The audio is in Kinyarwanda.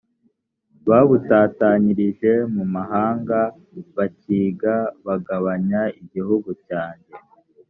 babutatanyirije mu mahanga bakigabagabanya igihugu cyanjye